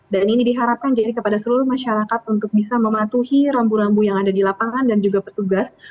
dan ini diharapkan jadi kepada seluruh masyarakat untuk bisa mematuhi rambu rambu yang ada di lapangan dan juga petugas